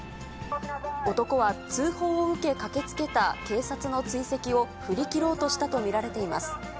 男は通報を受け、駆けつけた警察の追跡を振り切ろうとしたと見られています。